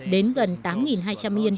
đến gần tám hai trăm linh yên